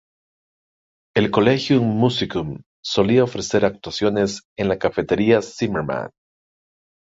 El Collegium Musicum solía ofrecer actuaciones en la Cafetería Zimmermann.